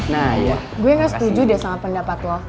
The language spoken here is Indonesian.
nah gue gak setuju deh sama pendapat lo